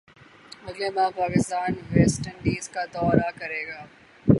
اگلے ماہ Pakistan West Indies کا دورہ کرے گا